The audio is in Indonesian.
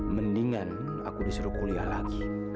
mendingan aku disuruh kuliah lagi